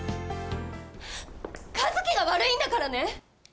かずきが悪いんだからね。